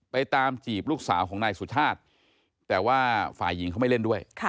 ตามจีบลูกสาวของนายสุชาติแต่ว่าฝ่ายหญิงเขาไม่เล่นด้วย